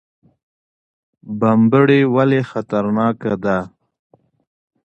بمبړې ولې خطرناکه ده؟